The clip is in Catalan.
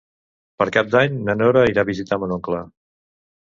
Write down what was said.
Per Cap d'Any na Nora irà a visitar mon oncle.